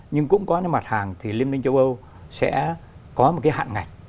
nhưng cũng có những mặt hàng thì liên minh châu âu sẽ có một cái hạn ngạch